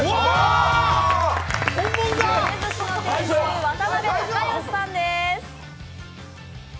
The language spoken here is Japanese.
照寿司の店主、渡邉貴義さんです。